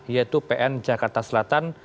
yaitu pn jakarta selatan